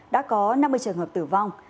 đã có năm mươi trường hợp tử vong